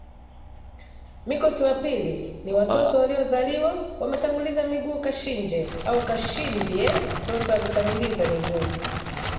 mikosiwa pili ni watoto waliozaliwa wametanguliza miguuKashinje au kashindye Mtoto akitanguliza miguu